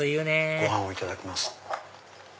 ご飯をいただきます。